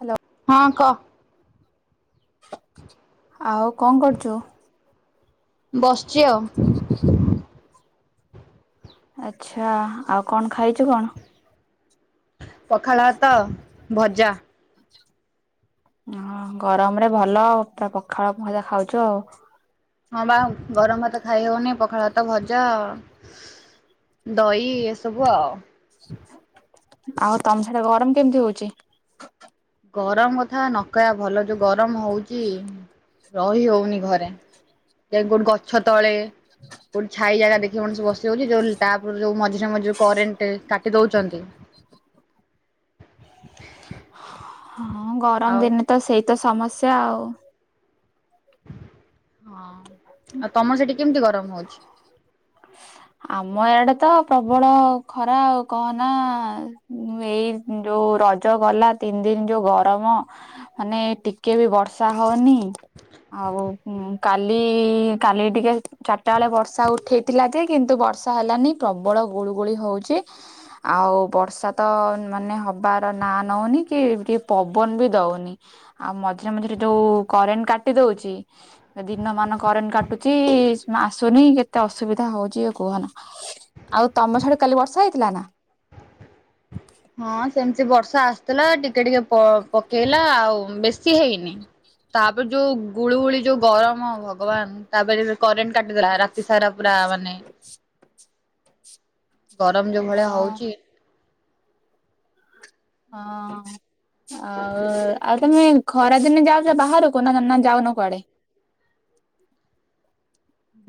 Hello ହଁ କ। ଆଉ କଣ କରୁଚୁ? ବସିଚି ଆଉ। [inaudible] ଆଛା ଆଉ କଣ ଖାଇଛୁ କଣ? ପଖାଳ ଭାତ ଭଜା। ହ ଗରମରେ ଭଲ ପୁରା ପଖାଳ ଭଜା ଖାଉଛୁ ଆଉ। ହଁ ବାଉ ଗରମ ଭାତ୍ ଖାଇ ହୋଉନି ପଖାଳ ଭାତ୍ ଭାତ ଭଜା ଦହି ଏସବୁ ଆଉ। ଆଉ ତମ ସେଟା ଗରମ କେମିତି ହଉଛି? ଗରମ କଥା ନ କହ ଭଲ ଯୋଉ ଗର ଗରମ ହଉଚି। ରହି ହଉନି ଘରେ ଗୋଟେ ଗଛ ତଳେ ଗୋଟେ ଛାଇ ଜାଗା ଦେଖି ମଣିଷ ବସିଯାଉଛି ଯୋଉ ତାପରେ ଯୋଉ ମଝିରେ ମଝିରେ କରେଣ୍ଟ କାଟି ଦଉଛନ୍ତି। ହଁ ଗରମ ଆଉ ଦିନେ ତ ସେଇତି ଏ ତ ସମସ୍ୟା ଆଉ। ହଁ। ଆଉ ତମର ସେଠି କେମିତି ଗରମ ହଉଛି? ଆମ ଇଆଡେ ତ ପ୍ରବଳ ଖ ଖରା ଆଉ କହନା ଏଇ ଯୋଉ ରଜ ଗଲା ତିନି ଦିନ ଯୋଉ ଗରମ ମାନେ ଟିକେ ବି ବର୍ଷା ହଉନି। ଆଉ ହୁଁ। କାଲି କାଲି ଟିକେ ଚାଟାବେଳେ ବର୍ଷା ଉଠେଇ ଥିଲା ଯେ, କିନ୍ତୁ ବର୍ଷା ହେଲାନି ପ୍ରବଳ ଗୁଳୁ ଗୁଳି ହଉଛି ଆଉ ବର୍ଷା ତ ମାନେ ହବାର ନା ନଉନି କି ଟିକେ ପବନ ବି ଦଉନି ଆଉ ମଝିରେ ମଝିରେ ଯୋଉ କରେଣ୍ଟ କାଟି ଦଉଛି ଦିନ ମା କରେଣ୍ଟ କାଟୁଛି ଆସୁନି କେତେ ଅସୁବିଧା ହଉଛି କୁହନା ଆଉ ତମ ଛାଡୁ କାଲି ବର୍ଷା ହେଇଥିଲା ନା? ହଁ ସେମିତି ବର୍ଷା ଆସିଥିଲା, ଟିକେ ଟିକେ ପକେଇଲା ଆଉ ବେଶୀ ହେଇନି, ତାପରେ ଯୋଉ ଗୁଳୁଗୁଳି ଯୋଉ ଗରମ ଭଗବାନ ତାପରେ କରେଣ୍ଟ କାଟିଦେଲା ରାତି ସାରା ପୁରା ମନେ ଗରମ ଯୋଉ ହଁ ଭଳିଆ ହଉଛି। ହଁ। ଆଉ ଆଉ ତମେ ଖରା ଦିନେ ଯାଉଛ ବାହାରକୁ? ନା ଯାଉନ କୁଆଡେ?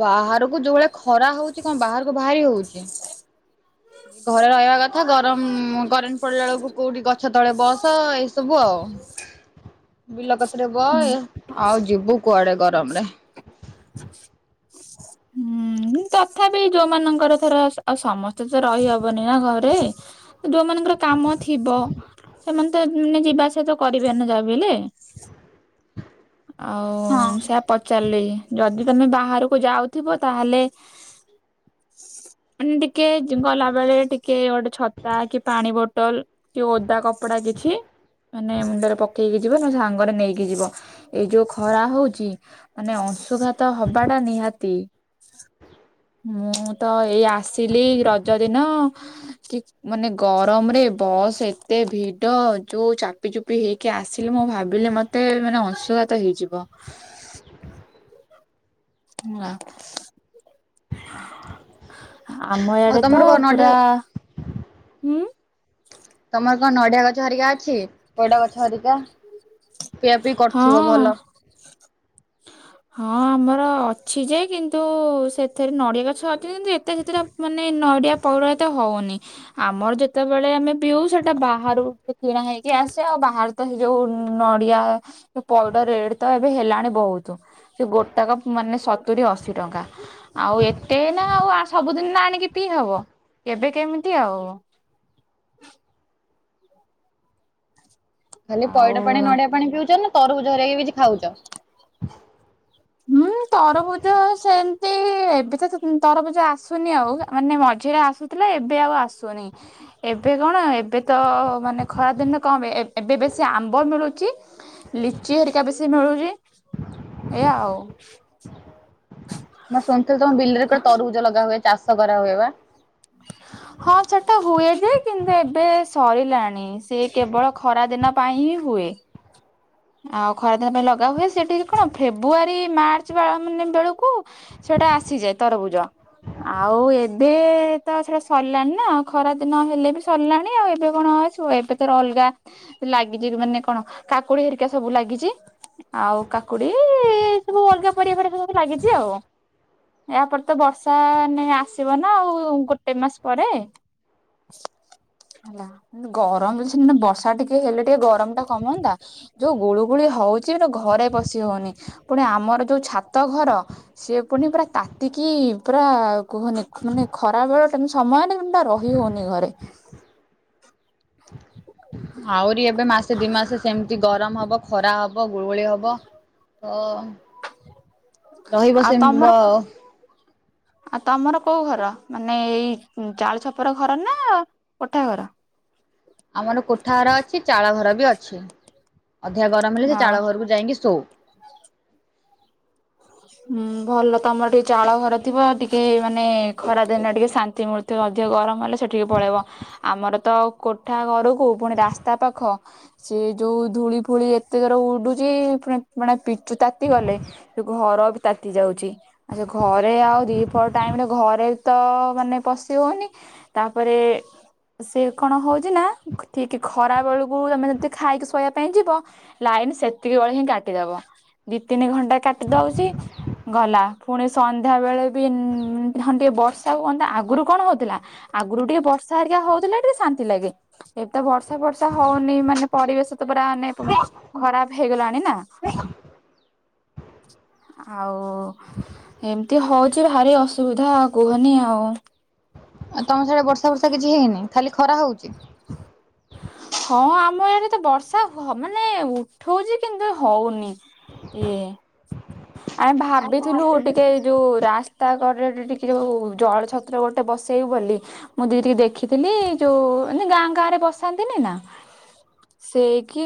ବାହାରକୁ ଯୋଉ ଭଆ, ଖରା ହଉଛି। କଣ, ବାହାରକୁ ବାହାରି ହଉଛି, ଘରେ ରହିବା କଥା। ଗରମ କରେ ପଳ ବଳକୁ କୋଉଠି ଗ [unintelligible] ଗଛ ତଳେ ବସ ଏଇ ସବୁ ଆଉ, ବିଲ କ ବ ହୁଁ। ଆଉ [unintelligible] ଯିବୁ କୁଆଡେ ଗରମରେ। ହୁଁ, ତଥାପି ଯୋଉମାନଙ୍କର ଥର ଆଉ' ସମ ଏତେ, ତ ରହିହବନି ନା ଘରେ। ଯୋଉ, ମାନଙ୍କର କାମ ଥିବ। ସେମାନେ ତ- ମାନେ ଯିବା ଆସିବା, କରିବେ ନା ଯା, ବି ହେଲେ? ହଁ। ଆଉ'ସେଇଆ ପଚାରିଲି। ଯଦି ତମେ ବାହାରକୁ ଯାଉଥିବ।, ତାହାଲେ ମାନେ, ଟିକେ ଗଲାବେଳେ, ଟିକେ, ଗୋଟେ ଛତା, କି ପାଣି ବୋଟଲ- କି ଓଦା କପଡା କିଛି, ମାନେ ମୁଣ୍ଡରେ, ପକେଇକି ଯିବ, ନା ସାଙ୍ଗରେ ନେଇକି ଯିବ। ଏଇ ଯୋଉ, ଖରା ହଉଛି। ମାନେ ଅଁଶୁ ଅଶୁଘାତ ହବାଟା ନିହାତି। ମୁଁ, ତ ଏଇ ଆସିଲି ରଜ ଦିନ, କି ମାନେ ଗରମରେ ବସ୍ ଏତେ ଭିଡ। ଯୋଉ ଚାପି ଚୁପି ହେଇକି ଆସିଲି, ମୁଁ ଭାବିଲି ମତେ ମାନେ, ଅଂଶୁଘାତ ହେଇଯିବ। ନାଁ ଆମ' ଆଉ ୟାଡେ ତମର ତ କଣ ନଡିଆ ପୁରା ହୁଁ ତମର କଣ, ନଡିଆ ଗଛ ହରିକା ଅଛି? ପଇଡ ଗଛ ହରିକା? ପିଆ, ପି କରୁଥିବ ହଁ ଭଲ। ହଁ, ଆମର ଅଛି ଯେ କିନ୍ତୁ ସେଥିରେ ନଡିଆ ଗଛ ଅଛି କିନ୍ତୁ ଏତେ ସେଥିଟା ମାନେ ନଡିଆ ପଇଡ ଏତେ ହଉନି। ଆମର ଯେତେବେଳେ ଆମେ ପିଉ ସେଟା ବାହାରୁ କିଣା ହେଇକି ଆସେ। ଆଉ ବାହାରେ ତ ସେ ଯୋଉ ନଡିଆ, ପଇଡ ରେଟ ତ ଏବେ ହେଲାଣି ବହୁତ। ସେ ଗୋଟାକ, ମାନେ ସତୁରି, ଅଶୀ ଟଙ୍କା। ଆଉ ଏତେ ନା, ଆଉ' ସବୁଦିନ ନା, ଆଣିକି ପିଇ ହବ, କେବେ କେମିତି ଆଉ। ଖାଲି ପଇଡ ପାଣି, ଆଉ ନଡିଆ ପାଣି, ପିଉଛ ନା ତରଭୁ ତରାଇ ବୁଜି ଖାଉଛ। ହୁଁ, ତରଭୁଜ ସେମ୍ ତି, ଏବେ ତ ତରଭୁଜ ଆସୁନି ଆଉ, ମାନେ ମଝିରେ ଆସୁଥିଲା, ଏବେ ଆଉ ଆସୁନି। ଏବେ କଣ, ଏବେ ତ ମାନେ, ଖରା ଦିନରେ କଣ, ଏବ୍ ଏ ଏବେ ବେଶୀ ଆମ୍ବ ମିଳୁଛି। ଲିଚି, ହେରିକା ବେଶୀ ମିଳୁଛି। ଏ ଆଉ। [inaudible] ମୁଁ, ଶୁଣିଥିଲି ତମ ବିଲରେ କଣ, ତରଭୁଜ ଲଗା ହୁଏ? ଚାଷ କରାହୁଏ ବା? ହଁ, ସେଟା ହୁଏ ଯେ କିନ୍ତୁ ଏବେ ସରିଲାଣି। ସେ କେବଳ ଖରା ଦିନ ପାଇଁ, ହିଁ ହୁଏ। ଆଉ' ଖରାଦିନ ପାଇଁ ଲଗା ହୁଏ। ସେଠିକି କଣ, ଫେବୁଆରୀ, ମାର୍ଚ୍ଚ ମା- ମାନେ ବେଳକୁ ସେଇଟା ଆସିଯାଏ ତରଭୁଜ। ଆଉ'ଏବେ ତ ସେଟା ସରିଲାଣି, ନା। ଖରା ଦିନ ହେଲେ ବି, ସରିଲାଣି। ଆଉ' ଏବେ କଣ ଅଛି, ଏବେ ତ ଅଲଗା ଲାଗିଯିବ। ମାନେ କଣ, କାକୁଡି ହେରି କା, ସବୁ ଲାଗିଛି। ଆଉ କାକୁଡି, ସବୁ ଅଲଗା ପରିବା, ଫରିବା ସବୁ ଲାଗିଛି। ଆଉ, ୟା ପରେ ତ ବର୍ଷା ନେ, ଆସିବ ନା ଆଉ ଗୋଟେ ମାସ ପରେ, ଗରମ ଅଛି, ବର୍ଷା ଟିକେ ହେଲେ ଟିକେ ଗରମ ଟା କମନ୍ତା। ଯୋଉ ଗୁଳୁ, ଗୁଳି ହଉଛି ଘରେ ପଶି ହଉନି। ପୁଣି ଆମର ଯୋଉ ଛାତ ଘର, ସିଏ ପୁଣି ପୁରା ତାତିକି ପୁରା, କୁହନି ମାନେ ଖରା ବେଳ କେ ସମୟ, ରହି ହଉନି ଘରେ। ଆହୁରି ଏବେ ମାସେ, ଦି ମାସେ ସେମିତି ଗରମ ହବ ଖରା ହବ, ଗୁଳୁଗୁଳି ହବ। ଅ ରହିବ ଆଉ ସେମି ତମର ବ ଆଉ ତମର କୋଉ ଘର ମାନେ ଏଇ ଚାଳ ଛପର ଘର ନା କୋଠା ଘର? ଆମର କୋଠା ଘର ଅଛି ଚାଳଘର ବି ଅଛି। ଅଧିକା ଗରମ ହେଲେ, ସେ ଅ ଚାଳ ଘରକୁ ଯାଇକି ଶୋଉ। ହୁଁ, ଭଲ ତମର ଟିକେ ଚାଳ ଘର ଥିବ। ଟିକେ ମାନେ ଖରାଦିନେ ଟିକେ ଶାନ୍ତି ମିଳୁଥିବ, ଅଧିକ ଗରମ ହେଲେ। ସେଠିକି ପଳେଇବ। ଆମର ତ କୋଠା ଘରକୁ ପୁଣି ରାସ୍ତା ପାଖ ସିଏ। ଯୋଉ ଧୂଳି ଫୁଳି ଏତେ ଜୋର ଉଡୁଛି, ଫୁଣି ପୁଣି ମାନେ ପିଚୁ ତାତି ଗଲେ, ଘର ତାତି ଯାଉଚି। ଆଛା, ଘରେ ଆଉ ଦି ପହର ଟାଇମ୍ ରେ ଘରେ ତ ମାନେ ପଶି ହଉନି। ତାପରେ ସେ କଣ ହଉଛି ନା, ଠିକ୍ ଖରା ବେଳକୁ ତମେ ଯଦି ଖାଇକି ଶୋଇବା ପାଇଁ ଯିବ! ଲାଇନ ସେତିକି ବେଳେ ହିଁ କାଟିଦବ। ଦି ତିନି ଘଣ୍ଟା କାଟି ଦଉଛି। ଗଲା ପୁଣି ସନ୍ଧ୍ୟା ବେଳେ ବିନ୍-ଇ ହଁ, ଟିକେ ବସ୍ କଣତା ଆଗରୁ କଣ ହଉଥିଲା, ଆଗରୁ ଟିକେ ବର୍ଷା ହାରିକା ହଉଥିଲା ଟିକେ ଶାନ୍ତି ଲାଗେ। ଏବେ ତ ବର୍ଷା ଫର୍ଷା ହଉନି ମାନେ ପରିବେଶ ତ ପୁରା ମାନେ ଖରାପ ହେଇଗଲାଣି ନା। ଆଉ, ଏମିତି ହଉଛି ଭାରି ଅସୁବିଧାଉ କୁହନି ଆଉ। ଆଉ ତମ ସିଆଡେ ବର୍ଷା ବର୍ଷା କିଛି ହେଇନି? ଖାଲି ଖରା ହଉଛି। ହଁ, ଆମ ଇଆଡ଼େ ତ ବର୍ଷା ହ ମାନେ ଉଠଉଛି, କିନ୍ତୁ ହଉନି। ଇଁ ଆମେ ଭାବ ବି ଥିଲୁ, ଟିକେ ଯୋଉ ରାସ୍ତା। ତତଟ ଟିକେ ଯୋଉ ଜଳ ଛତ୍ର ଗୋଟେ ବସେଇବୁ ବୋଲି। ମୁଁ ଦି ଟିକେ ଦେଖିଥିଲି। ଯୋଉ ମାନେ ଗାଁ, ଗାଁ ରେ ବସାନ୍ତିନି ନା, ସେଇକି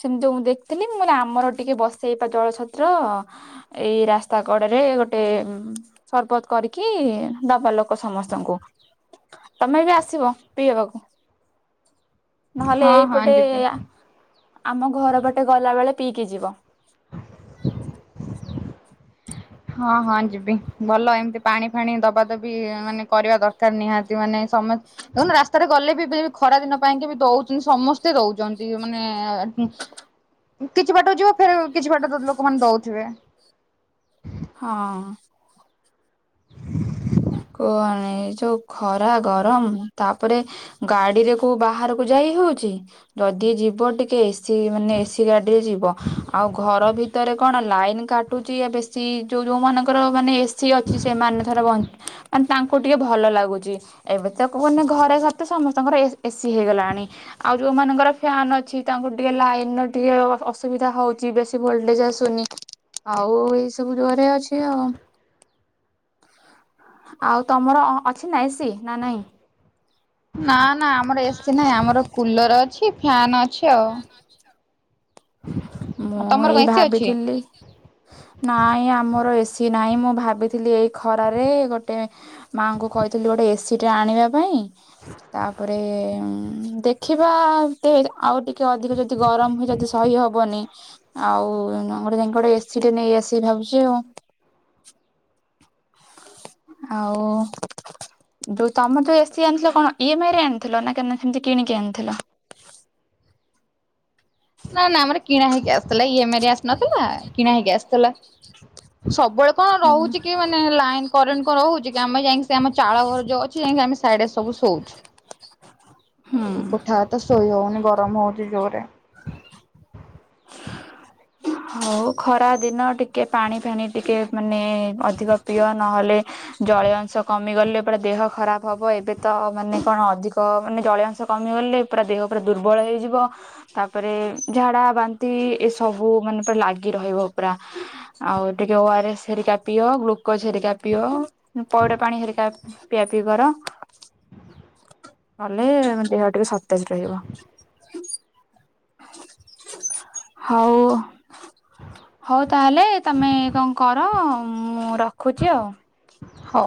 ସେମିତି ଯୋଉ ଦେଖିଥିଲି ବ ଆମର ଟିକେ ବସେଇବା ଜଳଛତ୍ର ଅ। ଏଇ ରାସ୍ତା କଡରେ ଗୋଟେ ସରବତ କରିକି ଦବା ଲୋକ ସମସ୍ତଙ୍କୁ। ତମେ ବି ଆସିବ ପିଇବାକୁ। ନହେଲେ ହଁ ହଁ ଏଇପଟେ ଯିବି। ଏ ଆ ଆମ ଘର ପଟେ ଗଲା ବଳେ ପିଇକି ଯିବ। ହଁ ହଁ ଯିବି ଭଲ ଏମିତି ପାଣି ଫାଣି ଦବା ଦବି ମାନେ କରିବା ଦରକାର ନିହାତି ମାନେ ସମତ, ଦେଖନ ରାସ୍ତାରେ ଗଲେ ବି ବି ଖରା ଦିନ ପାଇଁକି ବି ଦଉଛନ୍ତି। ସମସ୍ତେ ଦଉଛନ୍ତି ମାନେ-ଏ ହୁଁ। କିଛି ବାଟକୁ ଯିବ ଫେର କିଛି ବାଟ ଲୋକମାନେ ଦଉଥିବେ। ହଁ। କୁହନି! ଏ ଯଉ ଖରା ଗରମ ତାପରେ ଗାଡିରେ କୋଉ ବାହାରକୁ ଯାଇ ହଉଛି? ଯଦି ଯିବ ଟିକେ ଏସ୍ ସି ମାନେ ଏସି ଗାଡିରେ ଯିବ ଆଉ ଘର ଭିତରେ କଣ ଲାଇନ କାଟୁଛି ଆ ବେଶୀ ଯୋଉ ଯୋଉ ମାନଙ୍କର ମାନ୍ ଏସ୍ ସିଏ ଅଛି। ସେମାନେ ଥରେ ବନ୍ ତାଙ୍କୁ ଟିକେ ଭଲ ଲାଗୁଛି। ଏବେ ତକ୍ ମାନେ ଘରେ ଘରେ ତ ସମସ୍ତଙ୍କର ଏ-ଏସି ହେଇଗଲାଣି ଆଉ ଯଉଁ ମାନଙ୍କର ଫ୍ୟାନ ଅଛି, ତାଙ୍କୁ ଟିକେ ଲାଇନ୍ ର ଟିକେ ଅସୁବିଧା ହଉଛି। ବେଶୀ ଭୋଲ୍ଟେଜ ଆସୁନି, ଆଉ ଏସବୁ ଜୋରରେ ଅଛି ଆଉ। ଆଉ ତମର ଅଛି ନା ଏସି ନା ନାଇଁ? ନା, ନା ଆମର ଏସି ନାହିଁ। ଆମର କୁଲର ଅଛି ଫ୍ୟାନ ଅଛି ଆଉ। ଆଉ ମୁଁ ତମର ଏଇ କଣ ଏସି ଅଛି? ଭାବିଥିଲି ନାଇଁ ଆମର ଏସି ନାହିଁ ମୁଁ ଭାବିଥିଲି ଏଇ ଖରାରେ ଗୋଟେ ମାଆଙ୍କୁ କହିଥିଲି ଗୋଟେ ଏସି ଟେ ଆଣିବା ପାଇଁ ତାପରେ ଉଁ ଦେଖିବାେ ଆଉ ଟିକେ ଆଉ ଟି କିଏ ଅଧିକ ଯଦି ଗରମ ହୁଏ ଯଦି ସହି ହେବନି ଆଉ ଆମର ଯାଇ ଗୋଟେ ଏସି ଟରେ ନେଇ ଆସିକି ଭାବୁଛି ଆଉ। ଆଉ ଯୋଉ ତମେ ତୋ ଏସି ଆଣିଥିଲ କଣ ଇ ଏମ ଆଇ ରେ ଆଣି ଥିଲ ନା କେ ସେମତି କିଣିକି ଆଣିଥିଲ। ନା ନା ଆମର କିଣା ହେଇକି ଆସିଥିଲା ଇ ଏମେରି ଆସିନଥିଲା କିଣା ହେଇକି ଆସିଥିଲା, ସବୁବେଳେ କଣ ରହୁଛି କି ମାନେ ଲାଇନ କରେଣ୍ କ ରହୁଛି କି ଆମେ ଯାଇକି ସେ ଆମ ଚାଳ ଘର ଜଉ ଅଛି ଯାଇକି ଆମେ ସାଇଡ ସବୁ ଶୋଉଛୁ। ହୁଁ। କୋଠା ତ ସୋଇ ହେଉନି। ଗରମ ହେଉଛି ଜୋରରେ। [unintelligible] ହଉ ଖରା ଦିନ ଟିକେ ପାଣି ଫାଣିି ଟିକେ ମାନେ ଅଧିକ ପ୍ରିୟ ନହେଲେ ଜଳୀୟ ଅଂଶ କମିଗଲେ ପୁରା ଦେହ ଖରାପ ହେବ ଏବେ ତ ମାନେ କଣ ଅଧିକ ମାନେ ଜଳୀୟ ଅଂଶ କମିଗଲେ ପୁରା ଦେହ ପୁରା ଦୁର୍ବଳ ହେଇଯିବ ତାପରେ ଝାଡ଼ା, ବାନ ତି ଏ ସବୁ ମାନେ ପୁରା ଲାଗି ରହିବ ପୁରା ଆଉ ଟିକେ ଓ ଆର୍ ଏସ୍ ହେରିକା ପିଅ ଗ୍ଲୁକୋଜ ହେରିକା ପିଅ। ପଇଡା ପାଣି ହେରିକା ପିଆ ପିଇ କର, ଗଲେ ଆ ଦେହ ଟିକେ ସତେଜ ରହିବ। ହଉ ହଉ ତାହେଲେ ତମେ କଣ କର ମୁଁ ରଖୁଛି ଆଉ। ହଉ।